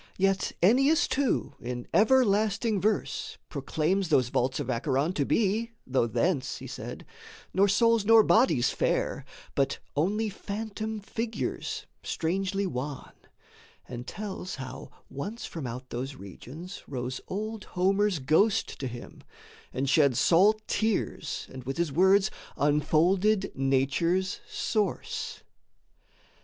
Yet Ennius too in everlasting verse Proclaims those vaults of Acheron to be, Though thence, he said, nor souls nor bodies fare, But only phantom figures, strangely wan, And tells how once from out those regions rose Old Homer's ghost to him and shed salt tears And with his words unfolded Nature's source.